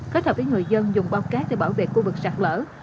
kết hợp với người dân dùng bao cát